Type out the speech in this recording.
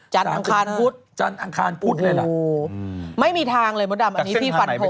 จันบุ๊บจันอังคารตรงนั้นไม่มีทางเลยมูกธรรมพี่ฟันโพง